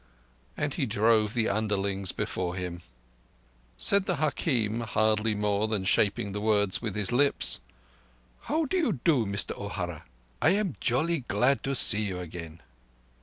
and he drove the underlings before him. Said the hakim, hardly more than shaping the words with his lips: "How do you do, Mister O'Hara? I am jolly glad to see you again."